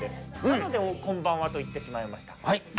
なのでこんばんはと言ってしまいました。